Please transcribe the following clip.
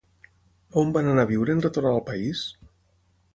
On van anar a viure en retornar al país?